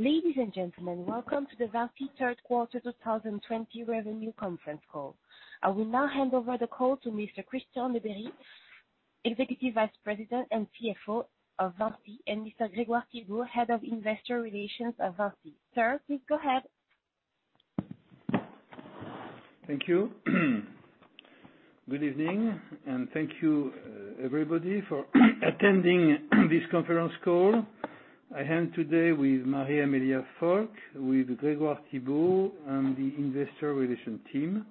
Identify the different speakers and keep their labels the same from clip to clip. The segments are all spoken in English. Speaker 1: Ladies and gentlemen, welcome to the VINCI third quarter 2020 revenue conference call. I will now hand over the call to Mr. Christian Labeyrie, Executive Vice President and CFO of VINCI, and Mr. Grégoire Thibault, Head of Investor Relations at VINCI. Sir, please go ahead.
Speaker 2: Thank you. Good evening, and thank you, everybody, for attending this conference call. I am today with Marie-Amélie Folch, with Grégoire Thibault, and the investor relation team.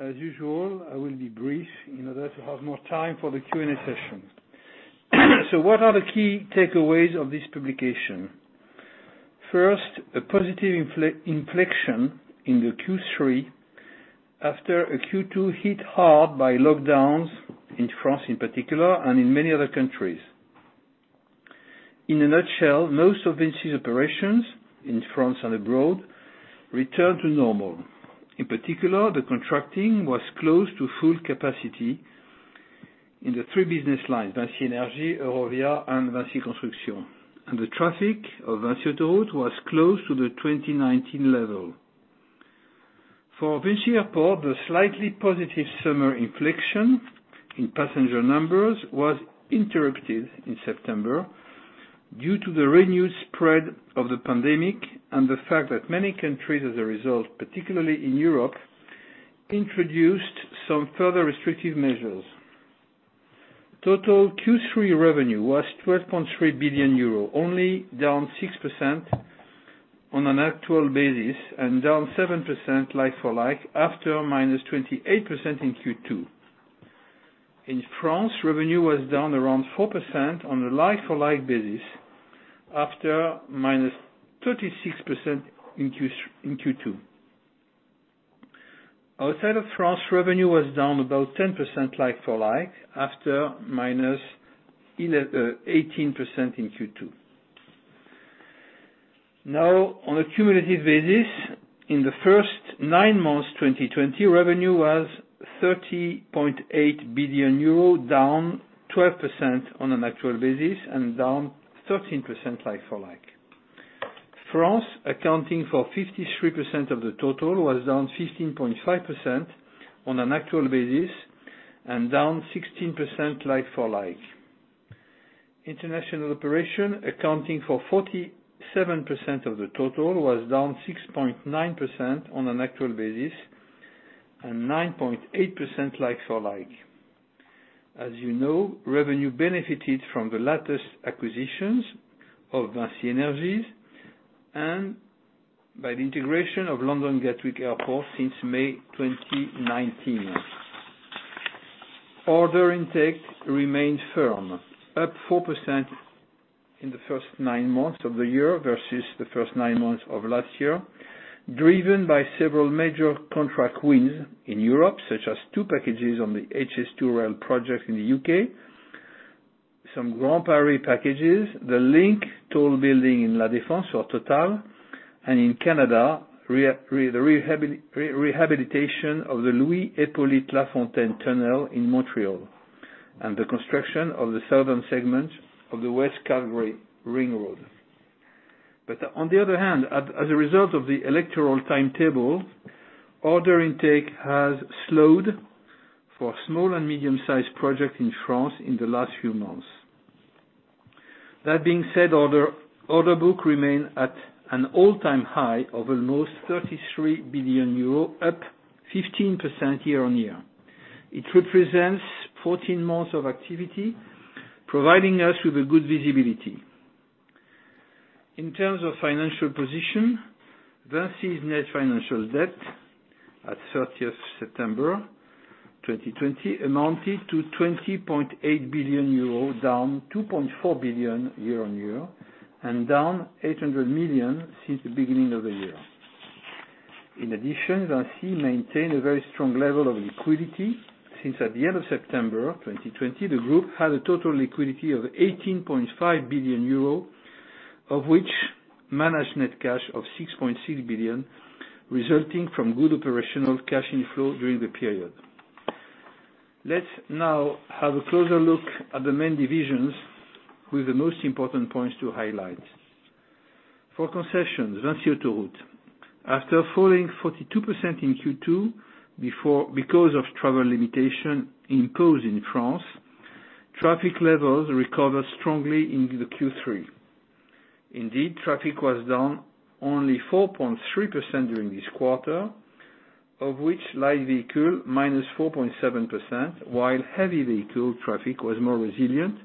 Speaker 2: As usual, I will be brief in order to have more time for the Q&A session. What are the key takeaways of this publication? First, a positive inflection in the Q3 after a Q2 hit hard by lockdowns in France in particular, and in many other countries. In a nutshell, most of VINCI's operations in France and abroad returned to normal. In particular, the contracting was close to full capacity in the three business lines, VINCI Energies, Eurovia, and VINCI Construction. The traffic of VINCI Autoroutes was close to the 2019 level. For VINCI Airports, the slightly positive summer inflection in passenger numbers was interrupted in September due to the renewed spread of the pandemic, and the fact that many countries as a result, particularly in Europe, introduced some further restrictive measures. Total Q3 revenue was 12.3 billion euro, only down 6% on an actual basis, and down 7% like-for-like, after -28% in Q2. In France, revenue was down around 4% on a like-for-like basis after -36% in Q2. Outside of France, revenue was down about 10% like-for-like after -18% in Q2. Now, on a cumulative basis, in the first nine months 2020, revenue was 30.8 billion euro, down 12% on an actual basis and down 13% like-for-like. France, accounting for 53% of the total, was down 15.5% on an actual basis and down 16% like-for-like. International operation, accounting for 47% of the total, was down 6.9% on an actual basis and 9.8% like-for-like. As you know, revenue benefited from the latest acquisitions of VINCI Energies and by the integration of London Gatwick Airport since May 2019. Order intake remained firm, up 4% in the first nine months of the year versus the first nine months of last year, driven by several major contract wins in Europe, such as two packages on the HS2 Rail project in the U.K., some Grand Paris packages, The Link tall building in La Défense for Total, and in Canada, the rehabilitation of the Louis-Hippolyte-La Fontaine tunnel in Montreal, and the construction of the southern segment of the West Calgary Ring Road. On the other hand, as a result of the electoral timetable, order intake has slowed for small and medium-sized projects in France in the last few months. That being said, order book remain at an all-time high of almost 33 billion euro, up 15% year-on-year. It represents 14 months of activity, providing us with a good visibility. In terms of financial position, VINCI's net financial debt at September 30th 2020 amounted to 20.8 billion euro, down 2.4 billion year-on-year, and down 800 million since the beginning of the year. In addition, VINCI maintained a very strong level of liquidity since at the end of September 2020, the group had a total liquidity of 18.5 billion euro, of which managed net cash of 6.6 billion, resulting from good operational cash inflow during the period. Let's now have a closer look at the main divisions with the most important points to highlight. For concessions, VINCI Autoroutes. After falling 42% in Q2 because of travel limitation imposed in France, traffic levels recovered strongly into the Q3. Indeed, traffic was down only 4.3% during this quarter, of which light vehicle, -4.7%, while heavy vehicle traffic was more resilient,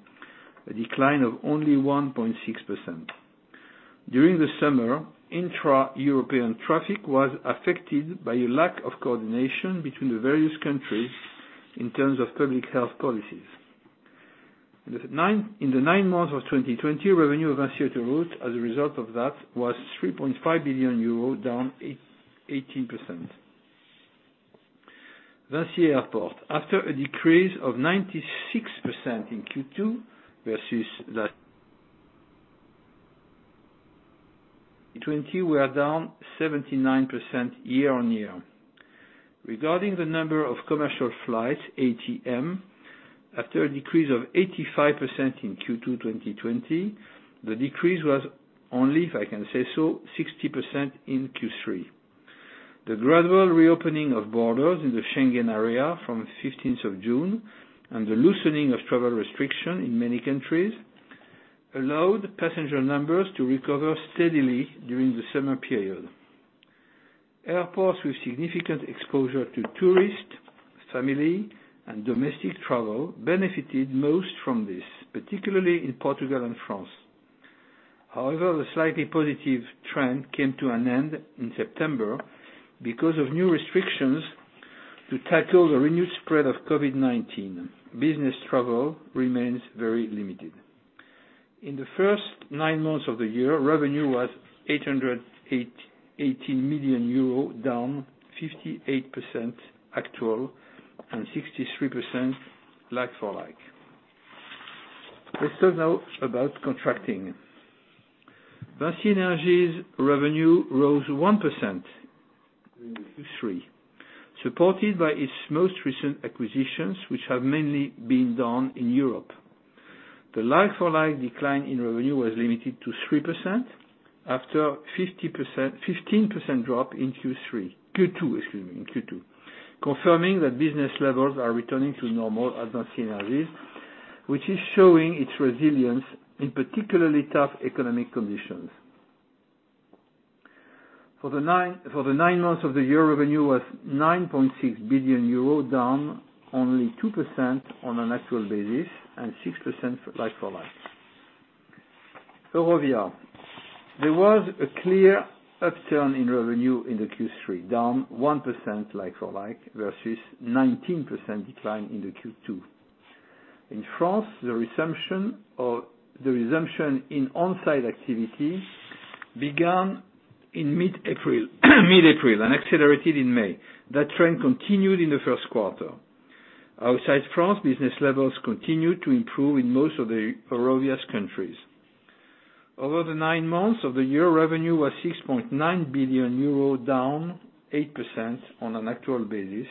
Speaker 2: a decline of only 1.6%. During the summer, intra-European traffic was affected by a lack of coordination between the various countries in terms of public health policies. In the nine months of 2020, revenue of VINCI Autoroutes as a result of that was 3.5 billion euro, down 18%. VINCI Airports, after a decrease of 96% in Q2 versus last 2020, we are down 79% year-on-year. Regarding the number of commercial flights, ATM, after a decrease of 85% in Q2 2020, the decrease was only, if I can say so, 60% in Q3. The gradual reopening of borders in the Schengen area from 15th of June, and the loosening of travel restriction in many countries, allowed passenger numbers to recover steadily during the summer period. Airports with significant exposure to tourist, family, and domestic travel benefited most from this, particularly in Portugal and France. The slightly positive trend came to an end in September because of new restrictions to tackle the renewed spread of COVID-19. Business travel remains very limited. In the first nine months of the year, revenue was 880 million euro, down 58% actual and 63% like-for-like. Let's talk now about contracting. VINCI Energies revenue rose 1% in Q3, supported by its most recent acquisitions which have mainly been done in Europe. The like-for-like decline in revenue was limited to 3% after 15% drop in Q2, confirming that business levels are returning to normal at VINCI Energies, which is showing its resilience in particularly tough economic conditions. For the nine months of the year, revenue was 9.6 billion euro, down only 2% on an actual basis and 6% like-for-like. Eurovia. There was a clear upturn in revenue in the Q3, down 1% like-for-like versus 19% decline in the Q2. In France, the resumption in on-site activity began in mid-April and accelerated in May. That trend continued in the first quarter. Outside France, business levels continued to improve in most of the Eurovia's countries. Over the nine months of the year, revenue was 6.9 billion euro, down 8% on an actual basis,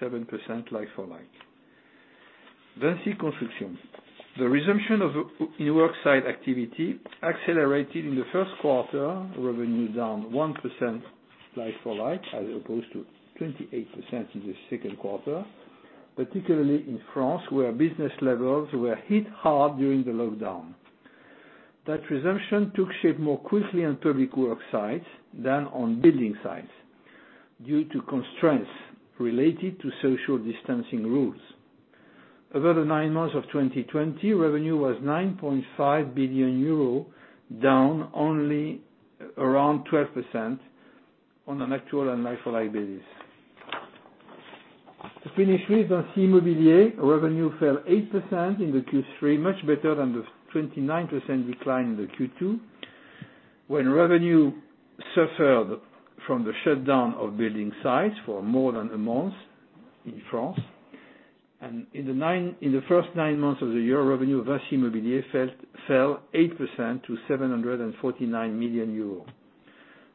Speaker 2: 7% like-for-like. VINCI Construction. The resumption in work site activity accelerated in the first quarter. Revenue down 1% like-for-like as opposed to 28% in the second quarter, particularly in France where business levels were hit hard during the lockdown. That resumption took shape more quickly on public work sites than on building sites due to constraints related to social distancing rules. Over the nine months of 2020, revenue was 9.5 billion euro, down only around 12% on an actual and like-for-like basis. To finish with, VINCI Immobilier, revenue fell 8% in the Q3, much better than the 29% decline in the Q2, when revenue suffered from the shutdown of building sites for more than a month in France. In the first nine months of the year, revenue of VINCI Immobilier fell 8% to 749 million euros.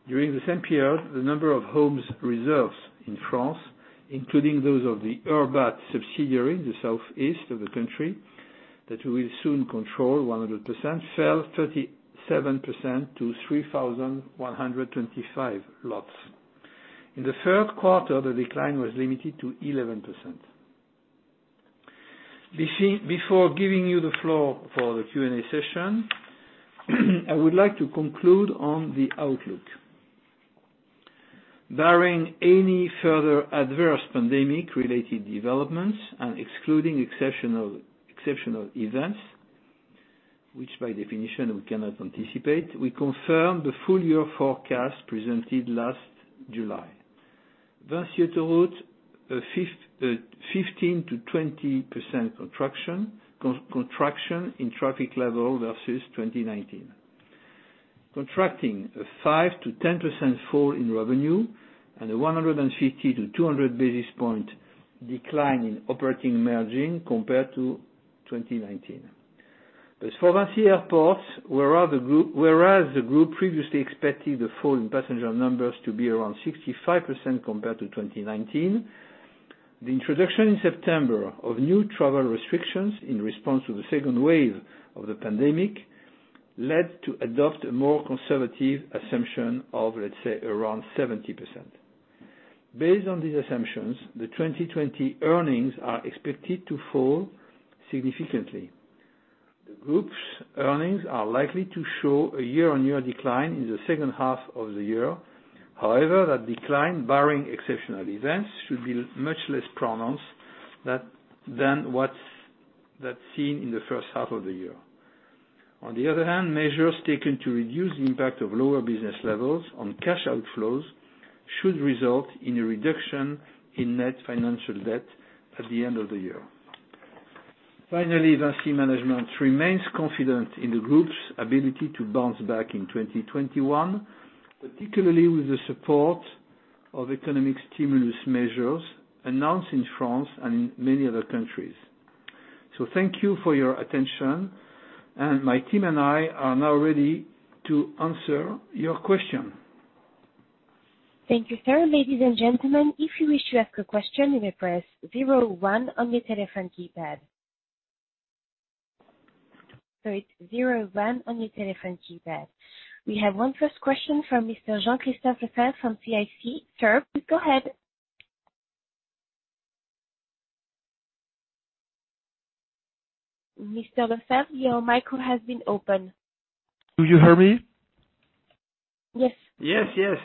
Speaker 2: During the same period, the number of homes reserves in France, including those of the Urbat subsidiary, the southeast of the country that we will soon control 100%, fell 37% to 3,125 lots. In the third quarter, the decline was limited to 11%. Before giving you the floor for the Q&A session, I would like to conclude on the outlook. Barring any further adverse pandemic-related developments and excluding exceptional events, which by definition we cannot anticipate, we confirm the full-year forecast presented last July. VINCI Autoroutes, 15%-20% contraction in traffic level versus 2019. Contracting a 5%-10% fall in revenue and a 150-200 basis point decline in operating margin compared to 2019. As for VINCI Airports, whereas the group previously expected the fall in passenger numbers to be around 65% compared to 2019, the introduction in September of new travel restrictions in response to the second wave of the pandemic led to adopt a more conservative assumption of, let's say, around 70%. Based on these assumptions, the 2020 earnings are expected to fall significantly. The group's earnings are likely to show a year-on-year decline in the second half of the year. However, that decline, barring exceptional events, should be much less pronounced than what's seen in the first half of the year. On the other hand, measures taken to reduce the impact of lower business levels on cash outflows should result in a reduction in net financial debt at the end of the year. Finally, VINCI Management remains confident in the group's ability to bounce back in 2021, particularly with the support of economic stimulus measures announced in France and in many other countries. Thank you for your attention, and my team and I are now ready to answer your questions.
Speaker 1: Thank you, sir. Ladies and gentlemen, if you wish to ask a question, you may press zero one on your telephone keypad. It's zero one on your telephone keypad. We have one first question from Mr. Jean-Christophe Lefevre-Moulenq from CIC. Sir, please go ahead. Mr. Lefevre, your micro has been opened.
Speaker 3: Do you hear me?
Speaker 1: Yes.
Speaker 2: Yes, yes.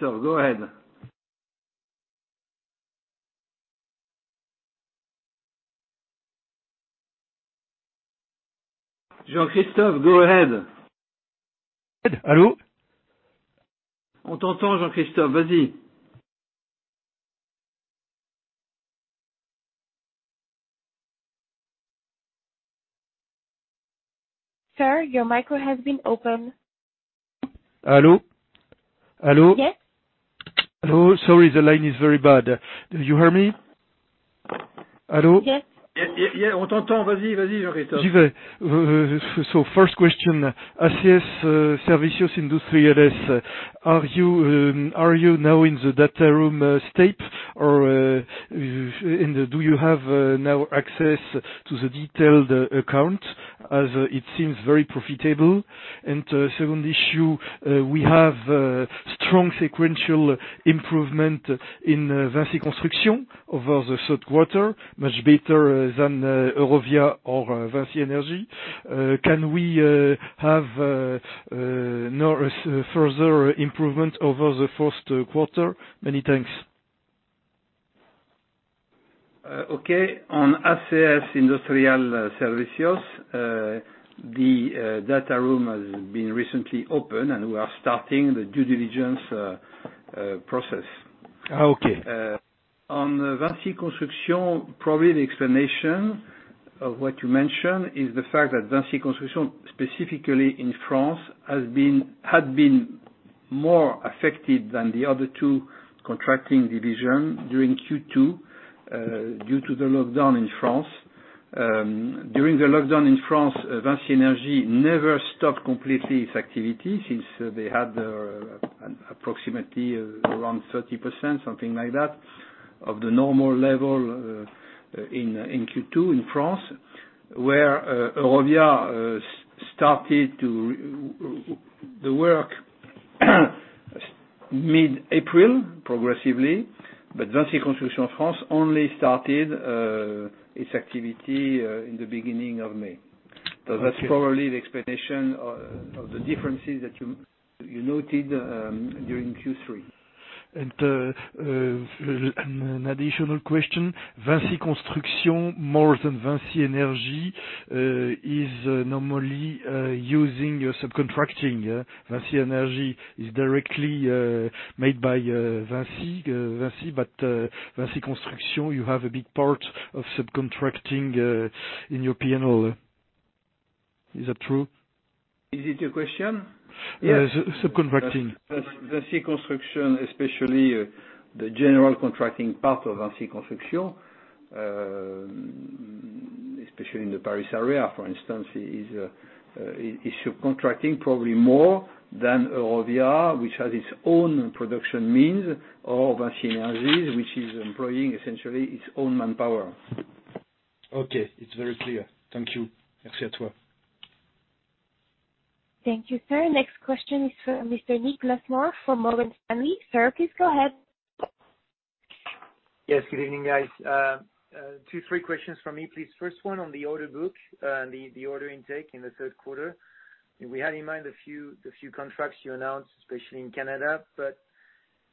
Speaker 2: Go ahead. Jean-Christophe, go ahead.
Speaker 3: Hello?
Speaker 2: We can hear you, Jean-Christophe. Go ahead.
Speaker 1: Sir, your micro has been opened.
Speaker 3: Hello?
Speaker 1: Yes.
Speaker 3: Hello. Sorry, the line is very bad. Do you hear me? Hello?
Speaker 1: Yes.
Speaker 2: Yeah. We can hear you. Go ahead, Jean-Christophe.
Speaker 3: First question, ACS Industrial Services, are you now in the data room state? Do you have now access to the detailed account, as it seems very profitable? Second issue, we have strong sequential improvement in VINCI Construction over the third quarter, much better than Eurovia or VINCI Energies. Can we have further improvement over the first quarter? Many thanks.
Speaker 2: Okay. On ACS Industrial Services, the data room has been recently opened, and we are starting the due diligence process.
Speaker 3: Okay.
Speaker 2: On VINCI Construction, probably the explanation of what you mentioned is the fact that VINCI Construction, specifically in France, had been more affected than the other two contracting divisions during Q2 due to the lockdown in France. During the lockdown in France, VINCI Energies never stopped completely its activity, since they had approximately around 30%, something like that, of the normal level in Q2 in France. Where Eurovia started the work mid-April progressively, but VINCI Construction in France only started its activity in the beginning of May.
Speaker 3: Okay.
Speaker 2: That's probably the explanation of the differences that you noted during Q3.
Speaker 3: An additional question. VINCI Construction, more than VINCI Energies, is normally using subcontracting. VINCI Energies is directly made by VINCI. VINCI Construction, you have a big part of subcontracting in your P&L. Is that true?
Speaker 2: Is it a question?
Speaker 3: Yeah, subcontracting.
Speaker 2: VINCI Construction, especially the general contracting part of VINCI Construction, especially in the Paris area, for instance, is subcontracting probably more than Eurovia, which has its own production means, or VINCI Energies, which is employing essentially its own manpower.
Speaker 3: Okay. It's very clear. Thank you.
Speaker 1: Thank you, sir. Next question is from Mr. Nicolas Mora from Morgan Stanley. Sir, please go ahead.
Speaker 4: Yes. Good evening, guys. Two, three questions from me, please. First one on the order book, the order intake in the third quarter. We had in mind the few contracts you announced, especially in Canada.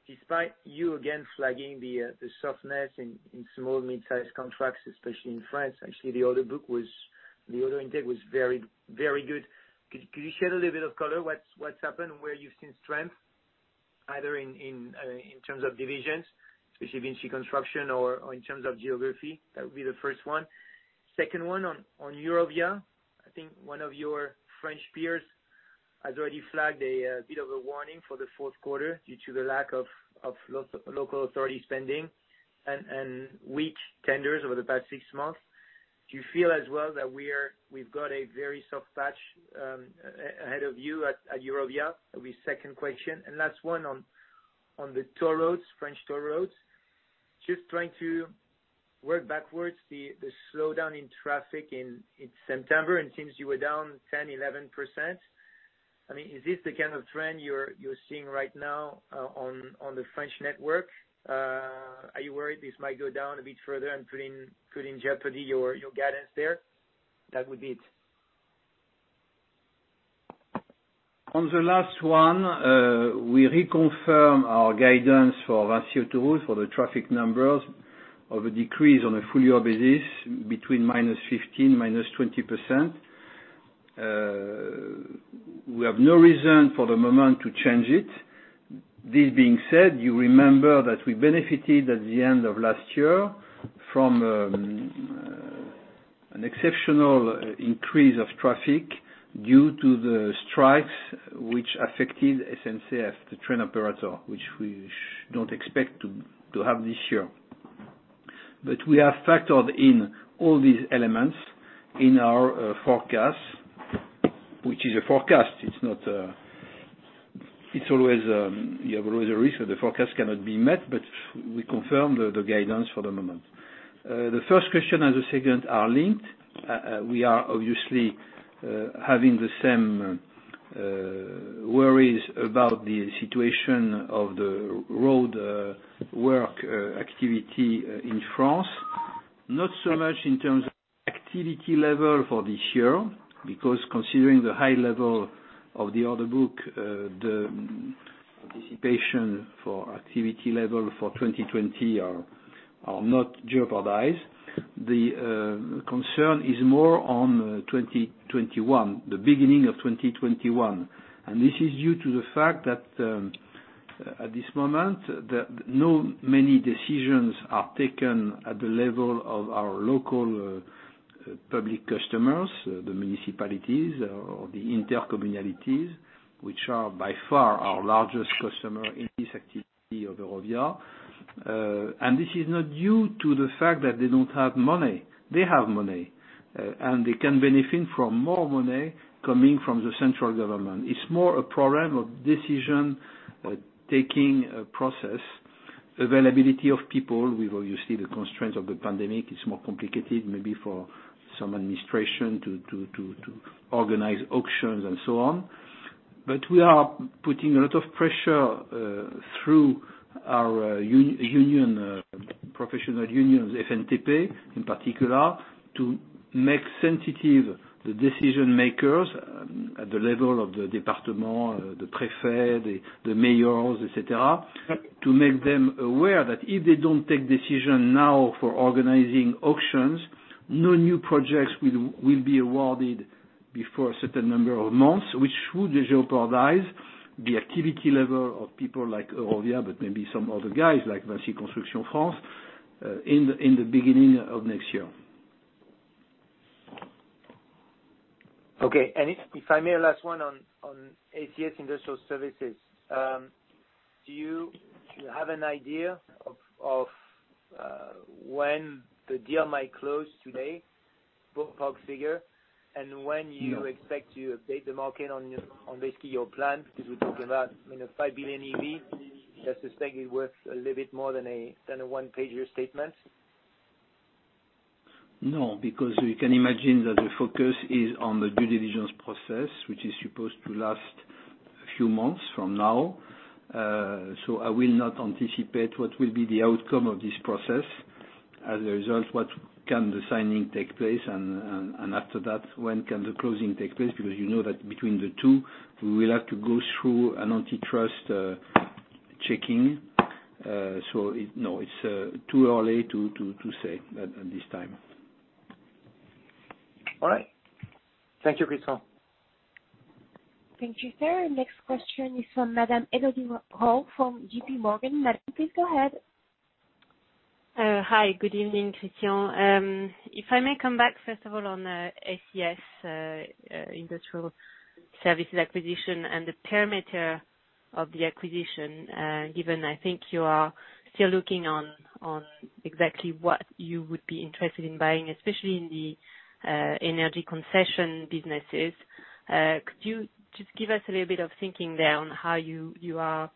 Speaker 4: Despite you, again, flagging the softness in small, mid-size contracts, especially in France, actually, the order intake was very good. Could you shed a little bit of color what's happened, where you've seen strength, either in terms of divisions, especially VINCI Construction, or in terms of geography? That would be the first one. Second one on Eurovia. I think one of your French peers has already flagged a bit of a warning for the fourth quarter due to the lack of local authority spending and weak tenders over the past six months. Do you feel as well that we've got a very soft patch ahead of you at Eurovia? That'll be the second question. Last one on the toll roads, French toll roads. Just trying to work backwards, the slowdown in traffic in September, and it seems you were down 10%, 11%. Is this the kind of trend you're seeing right now on the French network? Are you worried this might go down a bit further and put in jeopardy your guidance there? That would be it.
Speaker 2: On the last one, we reconfirm our guidance for VINCI Autoroutes for the traffic numbers of a decrease on a full year basis between -15% to -20%. We have no reason for the moment to change it. You remember that we benefited at the end of last year from an exceptional increase of traffic due to the strikes which affected SNCF, the train operator, which we don't expect to have this year. We have factored in all these elements in our forecast, which is a forecast. You have always a risk that the forecast cannot be met. We confirm the guidance for the moment. The first question and the second are linked. We are obviously having the same worries about the situation of the roadwork activity in France. Not so much in terms of activity level for this year. Considering the high level of the order book, the anticipation for activity level for 2020 are not jeopardized. The concern is more on 2021, the beginning of 2021. This is due to the fact that at this moment, not many decisions are taken at the level of our local public customers, the municipalities or the intercommunalities, which are by far our largest customer in this activity of Eurovia. This is not due to the fact that they don't have money. They have money. They can benefit from more money coming from the central government. It's more a program of decision-taking process, availability of people. You see the constraints of the pandemic, it's more complicated maybe for some administration to organize auctions and so on. We are putting a lot of pressure through our professional unions, FNTP in particular, to make sensitive the decision makers at the level of the département, the préfet, the mayors, et cetera, to make them aware that if they don't take decision now for organizing auctions, no new projects will be awarded before a certain number of months, which would jeopardize the activity level of people like Eurovia, but maybe some other guys, like VINCI Construction France, in the beginning of next year.
Speaker 4: Okay. If I may, last one on ACS Industrial Services. Do you have an idea of when the deal might close today, ballpark figure, and when you expect to update the market on basically your plan? We're talking about 5 billion EV, that's a stake worth a little bit more than a one-pager statement.
Speaker 2: No, because you can imagine that the focus is on the due diligence process, which is supposed to last a few months from now. I will not anticipate what will be the outcome of this process. As a result, what can the signing take place, and after that, when can the closing take place? Because you know that between the two, we will have to go through an antitrust checking. No, it's too early to say at this time.
Speaker 4: All right. Thank you, Christian.
Speaker 1: Thank you, sir. Next question is from Madame Elodie Rall from JPMorgan. Madame, please go ahead.
Speaker 5: Hi. Good evening, Christian. If I may come back first of all on ACS Industrial Services acquisition and the parameter of the acquisition, given I think you are still looking on exactly what you would be interested in buying, especially in the energy concession businesses. Could you just give us a little bit of thinking there on how you are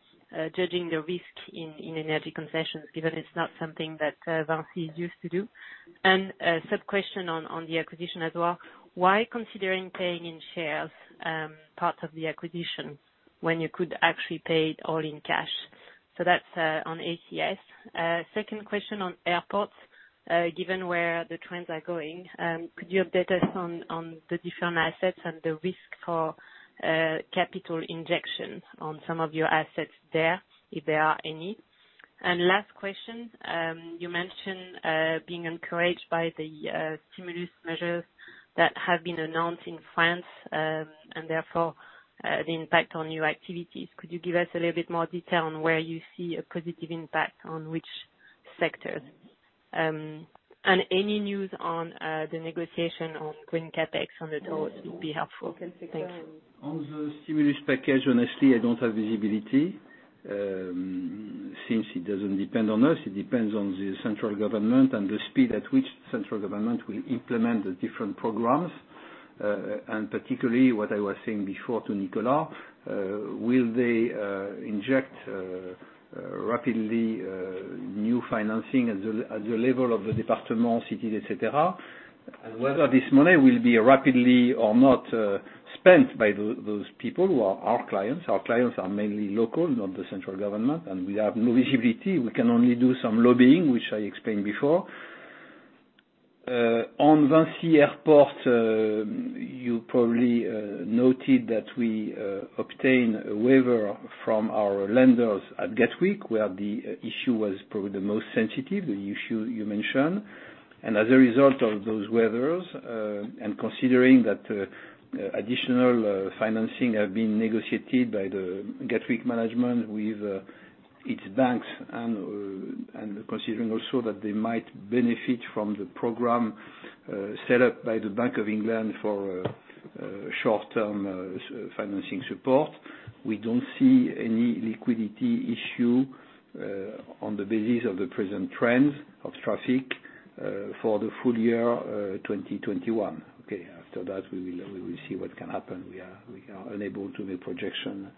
Speaker 5: judging the risk in energy concessions, given it's not something that VINCI is used to do? A sub-question on the acquisition as well, why considering paying in shares part of the acquisition, when you could actually pay it all in cash? That's on ACS. Second question on airports. Given where the trends are going, could you update us on the different assets and the risk for capital injection on some of your assets there, if there are any? Last question. You mentioned being encouraged by the stimulus measures that have been announced in France, and therefore the impact on your activities. Could you give us a little bit more detail on where you see a positive impact on which sectors? Any news on the negotiation on green CapEx on the toll would be helpful. Thank you.
Speaker 2: On the stimulus package, honestly, I don't have visibility. Since it doesn't depend on us, it depends on the central government and the speed at which central government will implement the different programs. Particularly what I was saying before to Nicolas, will they inject rapidly new financing at the level of the département cities, et cetera? Whether this money will be rapidly or not spent by those people who are our clients. Our clients are mainly local, not the central government, and we have no visibility. We can only do some lobbying, which I explained before. On VINCI Airports, you probably noted that we obtained a waiver from our lenders at Gatwick, where the issue was probably the most sensitive, the issue you mentioned. As a result of those waivers, considering that additional financing have been negotiated by the Gatwick management with its banks, considering also that they might benefit from the program set up by the Bank of England for short-term financing support, we don't see any liquidity issue. On the basis of the present trends of traffic for the full year 2021. Okay, after that we will see what can happen. We are unable to make projection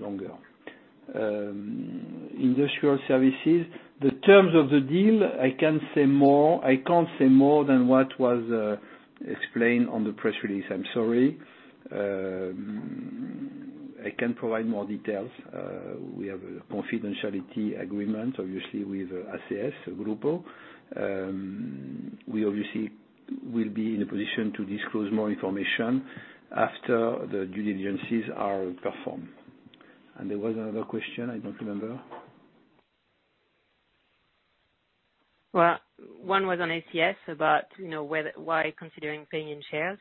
Speaker 2: longer. Industrial Services, the terms of the deal, I can't say more than what was explained on the press release. I'm sorry. I can't provide more details. We have a confidentiality agreement, obviously, with ACS Group. We obviously will be in a position to disclose more information after the due diligences are performed. There was another question, I don't remember.
Speaker 5: Well, one was on ACS about why considering paying in shares.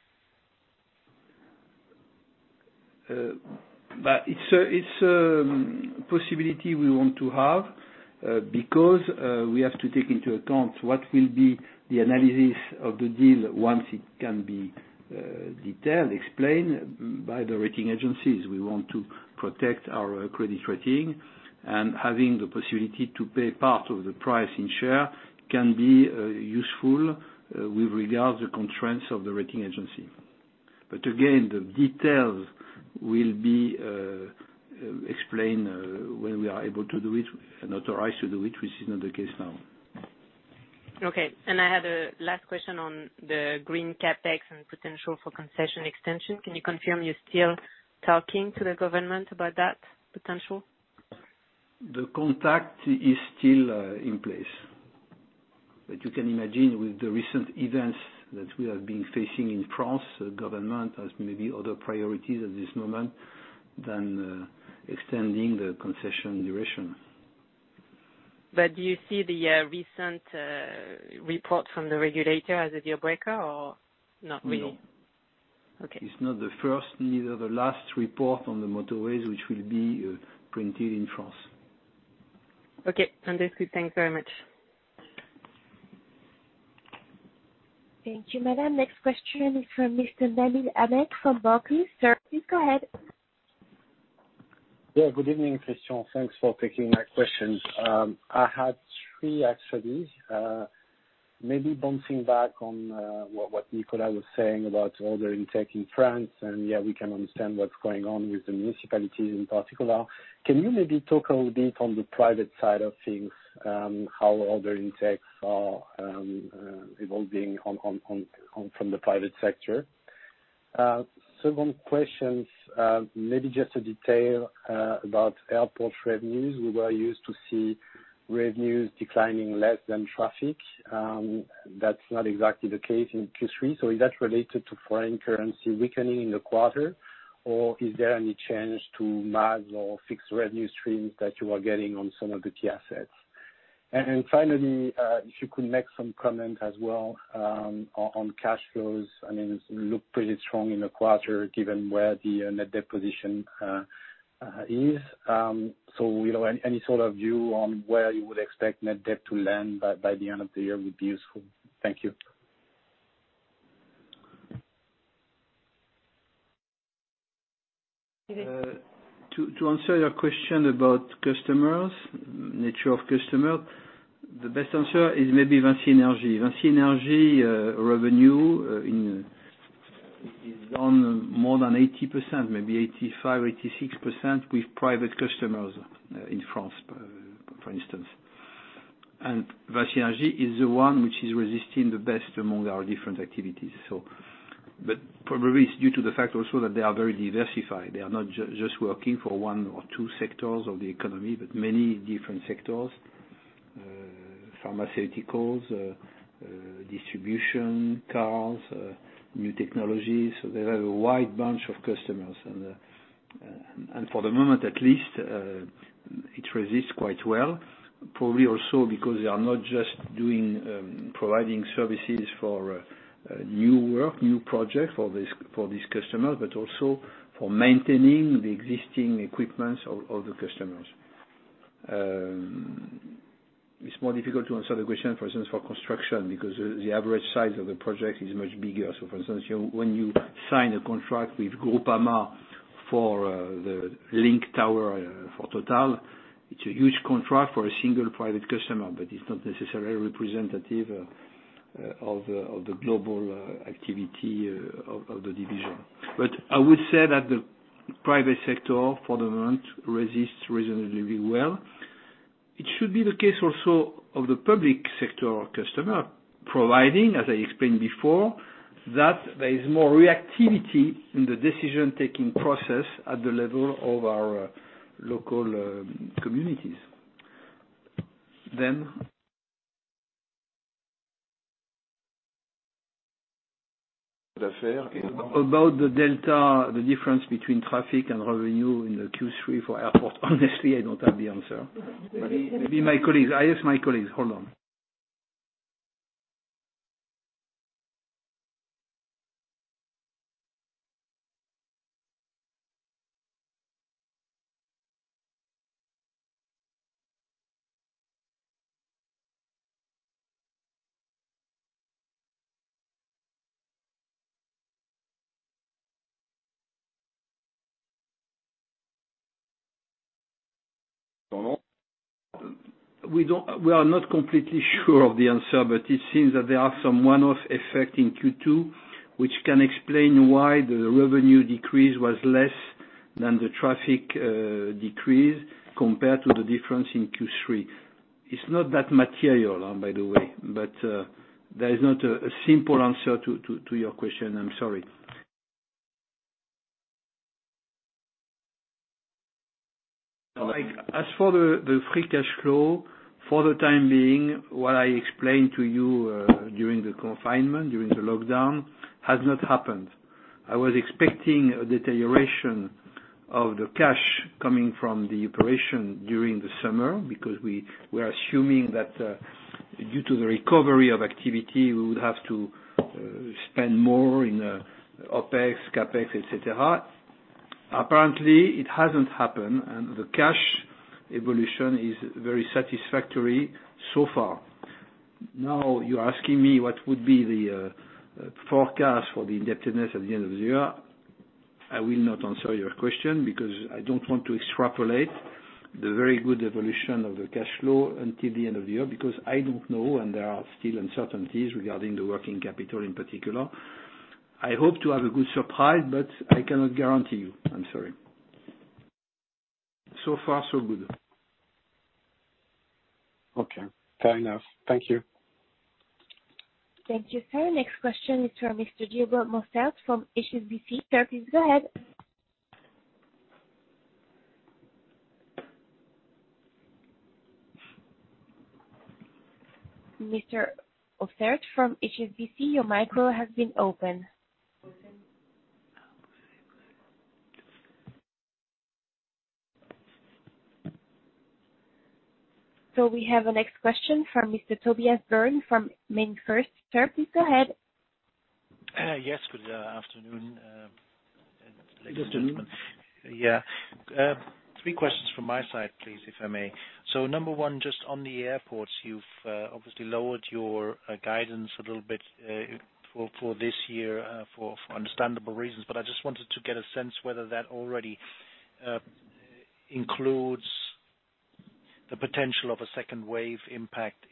Speaker 2: It's a possibility we want to have, because we have to take into account what will be the analysis of the deal once it can be detailed, explained by the rating agencies. Having the possibility to pay part of the price in share can be useful with regards to constraints of the rating agency. Again, the details will be explained when we are able to do it and authorized to do it, which is not the case now.
Speaker 5: Okay. I had a last question on the green CapEx and potential for concession extension. Can you confirm you are still talking to the government about that potential?
Speaker 2: The contact is still in place. You can imagine with the recent events that we have been facing in France, the government has maybe other priorities at this moment than extending the concession duration.
Speaker 5: Do you see the recent report from the regulator as a deal breaker or not really?
Speaker 2: No.
Speaker 5: Okay.
Speaker 2: It's not the first, neither the last report on the motorways, which will be printed in France.
Speaker 5: Okay. Understood. Thanks very much.
Speaker 1: Thank you, madam. Next question is from Mr. Nabil Ahmed from Barclays. Sir, please go ahead.
Speaker 6: Yeah, good evening, Christian. Thanks for taking my question. I had three, actually. Maybe bouncing back on what Nicolas was saying about order intake in France, yeah, we can understand what's going on with the municipalities in particular. Can you maybe talk a little bit on the private side of things? How order intakes are evolving from the private sector? Second question, maybe just a detail about airport revenues. We were used to see revenues declining less than traffic. That's not exactly the case in Q3. Is that related to foreign currency weakening in the quarter, or is there any change to MAG or fixed revenue streams that you are getting on some of the key assets? Finally, if you could make some comment as well on cash flows. It looked pretty strong in the quarter, given where the net debt position is. Any sort of view on where you would expect net debt to land by the end of the year would be useful. Thank you.
Speaker 2: To answer your question about customers, nature of customer, the best answer is maybe VINCI Energies. VINCI Energies revenue is on more than 80%, maybe 85%, 86% with private customers in France, for instance. VINCI Energies is the one which is resisting the best among our different activities. Probably it's due to the fact also that they are very diversified. They are not just working for one or two sectors of the economy, but many different sectors, pharmaceuticals, distribution, cars, new technologies. They have a wide bunch of customers and, for the moment at least, it resists quite well. Probably also because they are not just providing services for new work, new projects for these customers, but also for maintaining the existing equipments of the customers. It's more difficult to answer the question, for instance, for construction, because the average size of the project is much bigger. For instance, when you sign a contract with Groupama for The Link tower for Total, it's a huge contract for a single private customer, but it's not necessarily representative of the global activity of the division. I would say that the private sector, for the moment, resists reasonably well. It should be the case also of the public sector customer, providing, as I explained before, that there is more reactivity in the decision-taking process at the level of our local communities. About the delta, the difference between traffic and revenue in the Q3 for airport. Honestly, I don't have the answer. I ask my colleagues, hold on. We are not completely sure of the answer, but it seems that there are some one-off effect in Q2, which can explain why the revenue decrease was less than the traffic decrease compared to the difference in Q3. It's not that material, by the way, there is not a simple answer to your question. I'm sorry. As for the free cash flow, for the time being, what I explained to you during the confinement, during the lockdown, has not happened. I was expecting a deterioration of the cash coming from the operation during the summer, because we are assuming that due to the recovery of activity, we would have to spend more in OPEX, CapEx, et cetera. Apparently, it hasn't happened, and the cash evolution is very satisfactory so far. Now you're asking me what would be the forecast for the indebtedness at the end of the year. I will not answer your question because I don't want to extrapolate the very good evolution of the cash flow until the end of the year, because I don't know, and there are still uncertainties regarding the working capital in particular. I hope to have a good surprise, but I cannot guarantee you. I am sorry. So far, so good.
Speaker 6: Okay. Fair enough. Thank you.
Speaker 1: Thank you, sir. Next question is from Mr. Gilbert Moussa from HSBC. Sir, please go ahead. Mr. Moussa from HSBC, your micro has been open. We have a next question from Mr. Tobias Berndt from MainFirst. Sir, please go ahead.
Speaker 7: Yes. Good afternoon.
Speaker 2: Good afternoon.
Speaker 7: Yeah. Three questions from my side, please, if I may. Number one, just on the airports, you've obviously lowered your guidance a little bit for this year for understandable reasons. I just wanted to get a sense whether that already includes the potential of a second wave impact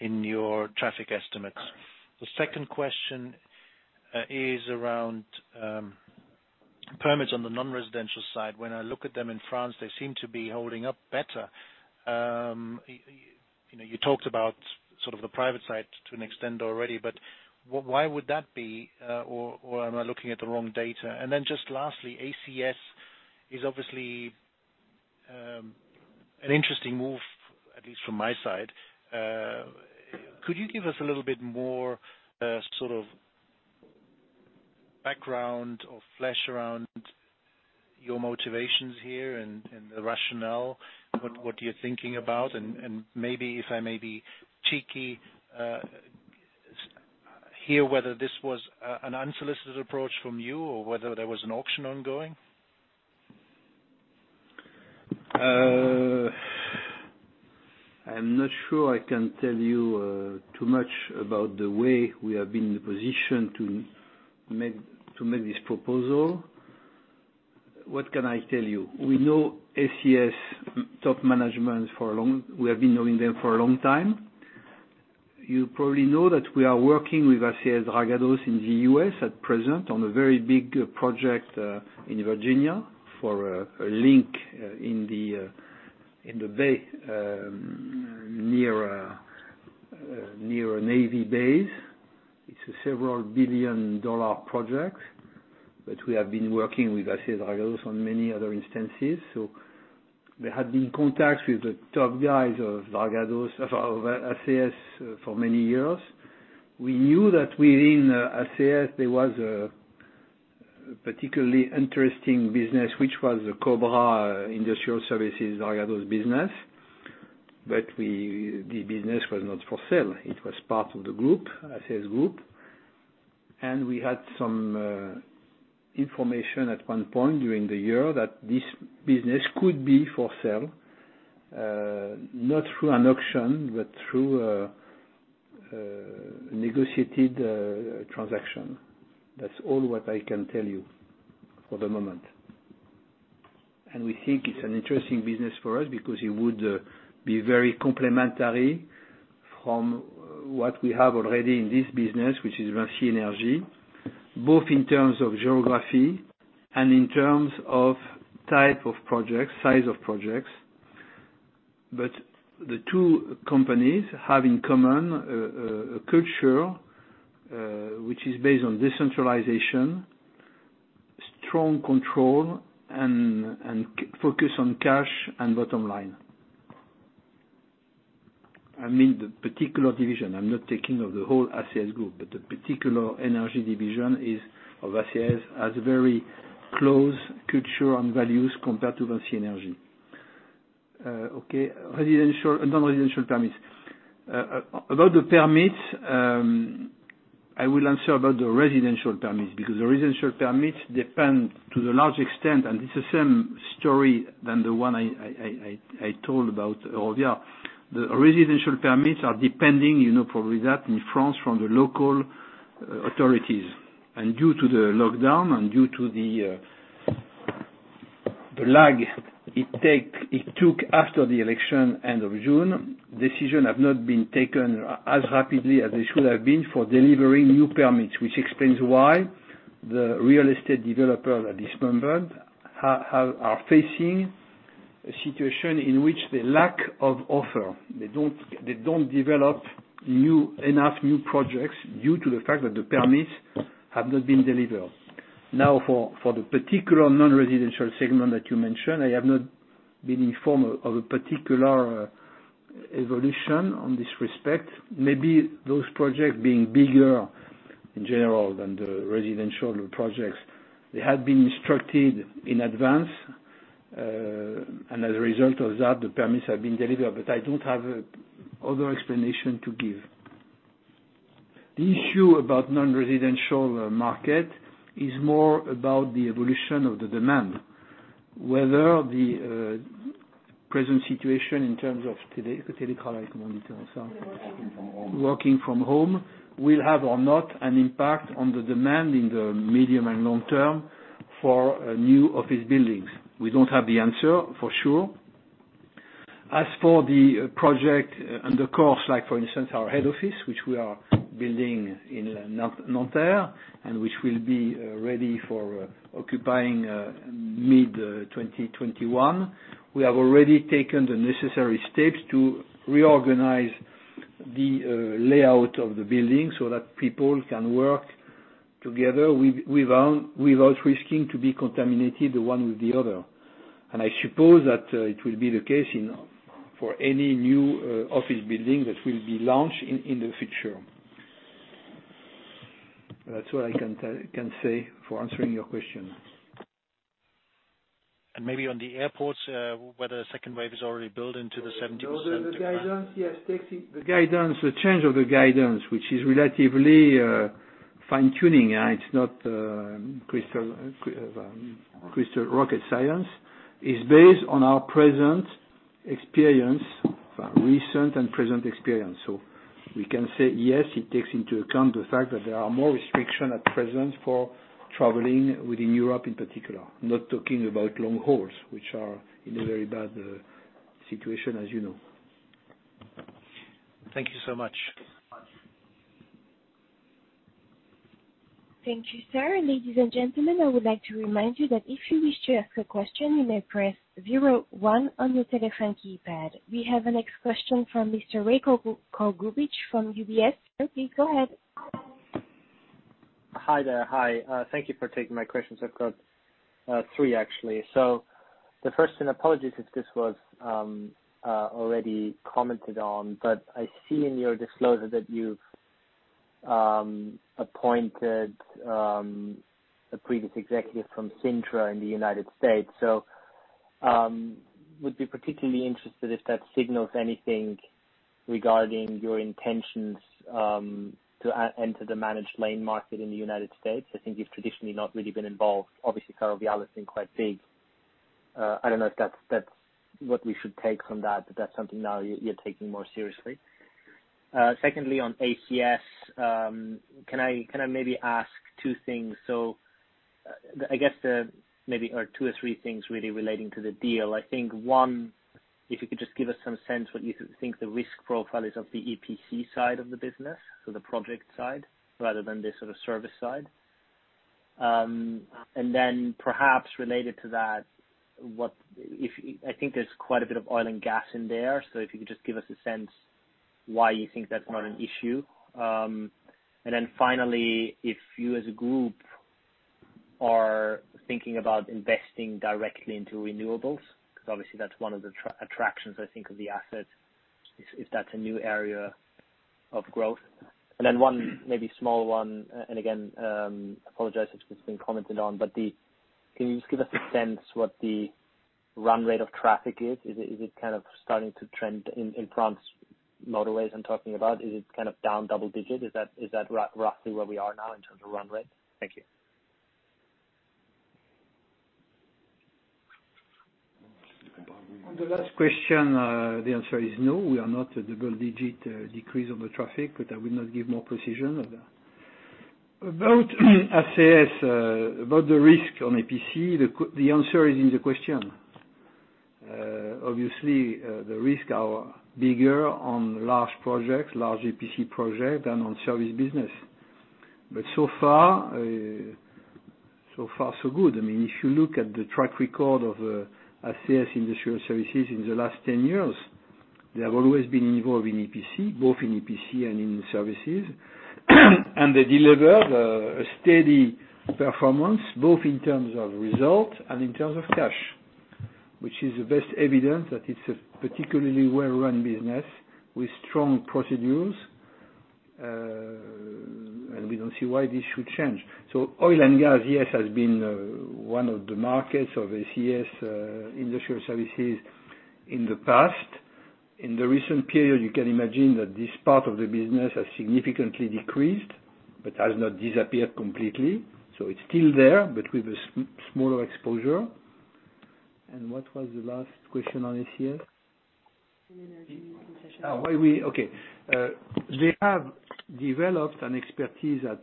Speaker 7: in your traffic estimates. The second question is around permits on the non-residential side. When I look at them in France, they seem to be holding up better. You talked about sort of the private side to an extent already, but why would that be? Or am I looking at the wrong data? Lastly, ACS is obviously an interesting move, at least from my side. Could you give us a little bit more sort of background or flesh around your motivations here and the rationale, what you're thinking about, and maybe, if I may be cheeky, hear whether this was an unsolicited approach from you or whether there was an auction ongoing?
Speaker 2: I'm not sure I can tell you too much about the way we have been in the position to make this proposal. What can I tell you? We know ACS top management, we have been knowing them for a long time. You probably know that we are working with ACS Dragados in the U.S. at present on a very big project in Virginia for a link in the bay near a navy base. It's a several billion-dollar project. We have been working with ACS Dragados on many other instances. There had been contacts with the top guys of ACS for many years. We knew that within ACS, there was a particularly interesting business, which was the Cobra Industrial Services Dragados business. The business was not for sale. It was part of the group, ACS Group. We had some information at one point during the year that this business could be for sale, not through an auction, but through a negotiated transaction. That's all what I can tell you for the moment. We think it's an interesting business for us because it would be very complementary from what we have already in this business, which is VINCI Energies, both in terms of geography and in terms of type of projects, size of projects. The two companies have in common a culture, which is based on decentralization, strong control, and focus on cash and bottom line. I mean, the particular division, I'm not taking of the whole ACS Group, but the particular energy division of ACS has very close culture and values compared to VINCI Energies. Okay. Non-residential permits. About the permits, I will answer about the residential permits, because the residential permits depend to the large extent, and this is same story than the one I told about earlier. The residential permits are depending, you know probably that, in France, from the local authorities. Due to the lockdown and due to the lag it took after the election end of June, decisions have not been taken as rapidly as they should have been for delivering new permits, which explains why the real estate developers are dismayed, are facing a situation in which the lack of offer, they don't develop enough new projects due to the fact that the permits have not been delivered. Now, for the particular non-residential segment that you mentioned, I have not been informed of a particular evolution on this respect. Maybe those projects being bigger in general than the residential projects, they had been structured in advance. As a result of that, the permits have been delivered. I don't have other explanation to give. The issue about non-residential market is more about the evolution of the demand, whether the present situation in terms of telecommuting.
Speaker 7: Working from home.
Speaker 2: Working from home will have or not an impact on the demand in the medium and long term for new office buildings. We don't have the answer for sure. The project and the course, like for instance, our head office, which we are building in Nanterre, and which will be ready for occupying mid-2021. We have already taken the necessary steps to reorganize the layout of the building so that people can work together without risking to be contaminated the one with the other. I suppose that it will be the case for any new office building that will be launched in the future. That's all I can say for answering your question.
Speaker 7: Maybe on the airports, whether second wave is already built into the 70%-
Speaker 2: No, the guidance, yes. The change of the guidance, which is relatively fine-tuning. It's not crystal rocket science. It's based on our present experience, recent and present experience. We can say yes, it takes into account the fact that there are more restriction at present for traveling within Europe in particular. I'm not talking about long hauls, which are in a very bad situation, as you know.
Speaker 7: Thank you so much.
Speaker 1: Thank you, sir. Ladies and gentlemen, I would like to remind you that if you wish to ask a question, you may press zero one on your telephone keypad. We have the next question from Mr. Ray Kogubic from UBS. Sir, please go ahead.
Speaker 8: Hi there. Hi. Thank you for taking my questions. I've got three, actually. The first, and apologies if this was already commented on, but I see in your disclosure that you've appointed a previous executive from Cintra in the U.S. Would be particularly interested if that signals anything regarding your intentions to enter the managed lanes market in the U.S. I think you've traditionally not really been involved, obviously, kind of the other thing quite big. I don't know if that's what we should take from that, but that's something now you're taking more seriously. Secondly, on ACS, can I maybe ask two things? I guess maybe, or two or three things really relating to the deal. I think one, if you could just give us some sense what you think the risk profile is of the EPC side of the business, so the project side, rather than the sort of service side. Perhaps related to that, I think there's quite a bit of oil and gas in there. If you could just give us a sense why you think that's not an issue. Finally, if you as a group are thinking about investing directly into renewables, because obviously, that's one of the attractions, I think, of the assets, if that's a new area of growth. One maybe small one, and again, apologize if it's been commented on, but can you just give us a sense what the run-rate of traffic is? Is it kind of starting to trend in France motorways I'm talking about? Is it kind of down double digit? Is that roughly where we are now in terms of run-rate? Thank you.
Speaker 2: On the last question, the answer is no. We are not a double-digit decrease on the traffic. I will not give more precision on that. About ACS, about the risk on EPC, the answer is in the question. Obviously, the risks are bigger on large projects, large EPC projects than on service business. So far so good. If you look at the track record of ACS Industrial Services in the last 10 years, they have always been involved in EPC, both in EPC and in services. They delivered a steady performance, both in terms of results and in terms of cash, which is the best evidence that it's a particularly well-run business with strong procedures. We don't see why this should change. Oil and gas, yes, has been one of the markets of ACS Industrial Services in the past. In the recent period, you can imagine that this part of the business has significantly decreased, but has not disappeared completely. It's still there, but with a smaller exposure. What was the last question on ACS?
Speaker 9: In energy transition.
Speaker 2: Okay. They have developed an expertise at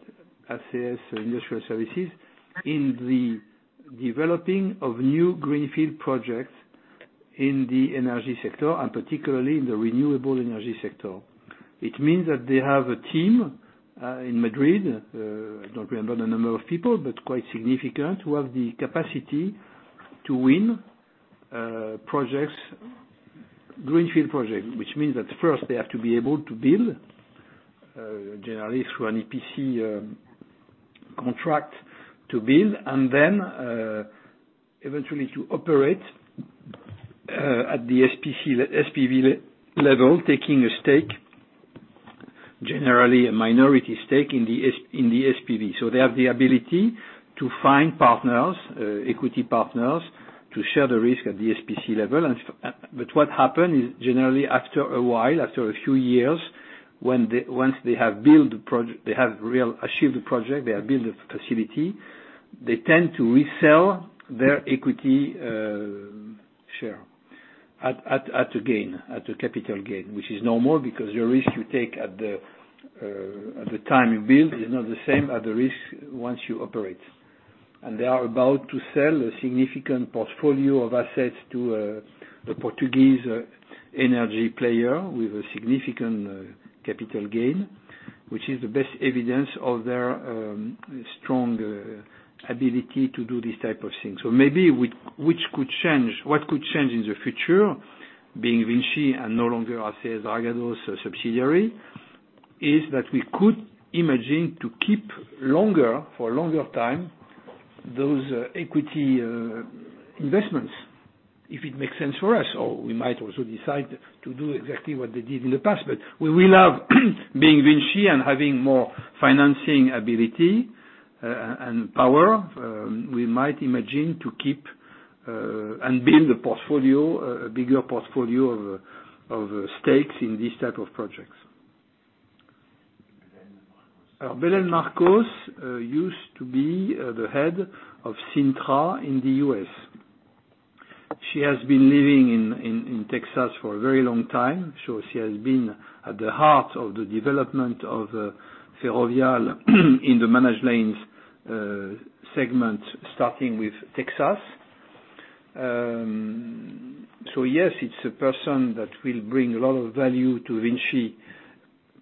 Speaker 2: ACS Industrial Services in the developing of new greenfield projects in the energy sector, and particularly in the renewable energy sector. It means that they have a team in Madrid, I don't remember the number of people, but quite significant, who have the capacity to win greenfield projects. Which means that first they have to be able to build, generally through an EPC contract to build, and then eventually to operate, at the SPV level, taking a stake, generally a minority stake in the SPV. They have the ability to find equity partners to share the risk at the SPC level. What happened is generally after a while, after a few years, once they have achieved the project, they have built the facility, they tend to resell their equity share at a capital gain. Which is normal because your risk you take at the time you build is not the same as the risk once you operate. They are about to sell a significant portfolio of assets to the Portuguese energy player with a significant capital gain, which is the best evidence of their strong ability to do this type of thing. Maybe what could change in the future, being VINCI and no longer ACS Dragados subsidiary, is that we could imagine to keep for a longer time, those equity investments if it makes sense for us, or we might also decide to do exactly what they did in the past. We will have being VINCI and having more financing ability and power, we might imagine to keep and build a bigger portfolio of stakes in these type of projects.
Speaker 9: Belén Marcos.
Speaker 2: Belén Marcos used to be the head of Cintra in the U.S. She has been living in Texas for a very long time. She has been at the heart of the development of Ferrovial in the managed lanes segment, starting with Texas. Yes, it's a person that will bring a lot of value to VINCI,